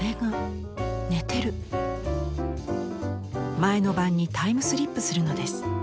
前の晩にタイムスリップするのです。